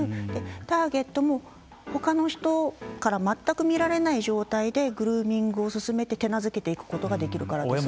ターゲットも、ほかの人から全く見られない状態でグルーミングを進めて手なずけていくことができるからです。